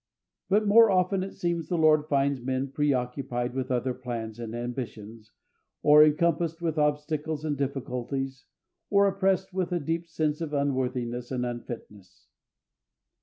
But more often it seems the Lord finds men preoccupied with other plans and ambitions, or encompassed with obstacles and difficulties, or oppressed with a deep sense of unworthiness or unfitness.